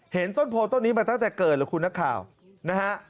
ต้นโพต้นนี้มาตั้งแต่เกิดหรือคุณนักข่าวนะฮะ